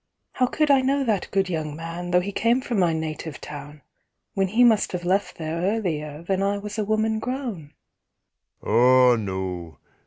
"How could I know that good young man, Though he came from my native town, When he must have left there earlier than I was a woman grown?" "Ah no.